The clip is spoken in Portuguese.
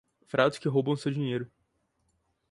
Fraudes que roubam seu dinheiro